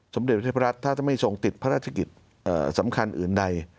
สมเด็จพระเทพรัฐถ้าไม่ทรงติดพระราชกิจสำคัญอื่นใด